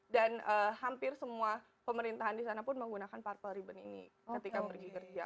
dan hampir semua pemerintahan disana pun menggunakan purple ribbon ini ketika pergi kerja